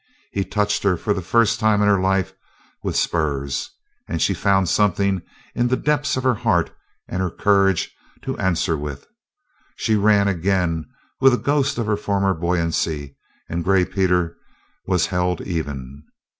He touched her for the first time in her life with spurs, and she found something in the depths of her heart and her courage to answer with. She ran again with a ghost of her former buoyancy, and Gray Peter was held even.